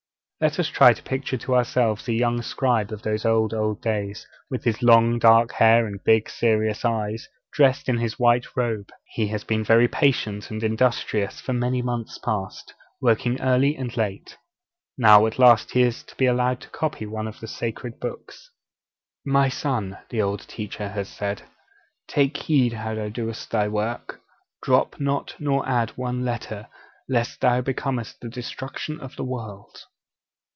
Let us try to picture to ourselves a young scribe of those old, old days, with his dark hair and big, serious eyes, and dressed in his white robe. He has been very patient and industrious for many months past, working early and late; now, at last, he is to be allowed to copy one of the sacred books. 'My son,' his old teacher has said, 'take heed how thou doest thy work; drop not nor add one letter, lest thou becomest the destruction of the world.'